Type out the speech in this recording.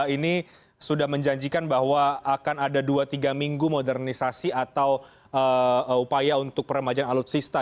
ini sudah menjanjikan bahwa akan ada dua tiga minggu modernisasi atau upaya untuk peremajaan alutsista